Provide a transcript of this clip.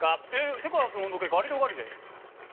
世界初の温度計ガリレオ・ガリレイ。